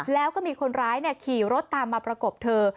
แล้วก็มีคนร้ายขี่รถตามมาประกบเธอ